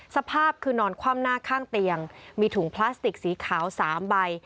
สภาพคือนอนคว่ำหน้าข้างเตียงมีถุงพลาสติกสีขาว๓ใบ